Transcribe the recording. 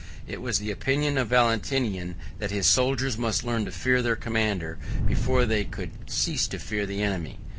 It was the opinion of Valentinian, that his soldiers must learn to fear their commander, before they could cease to fear the enemy.